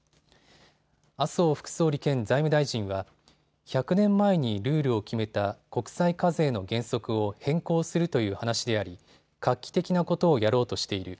麻生副総理兼財務大臣は１００年前にルールを決めた国際課税の原則を変更するという話であり、画期的なことをやろうとしている。